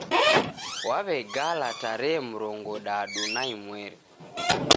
Wawegala tarehe murongodadu na imweri